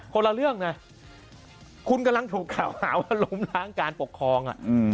คนละเรื่องนะคุณกำลังถูกกล่าวหาว่าล้มล้างการปกครอง